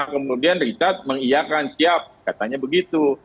kemudian richard mengiakan siap katanya begitu